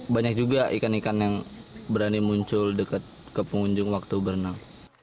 banyak juga ikan ikan yang berani muncul dekat ke pengunjung waktu berenang